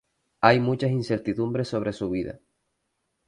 Hay muchas incertidumbres sobre su vida.